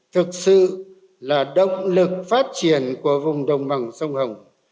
thực sự là động lực phát triển của vùng đồng bằng sông hồng